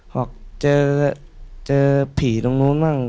บอกเจอผีตรงนู้นบ้าง